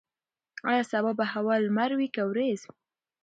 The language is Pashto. ایا سبا به هوا لمر وي که وریځ؟